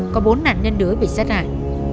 có bốn nạn nhân đứa bị sát hại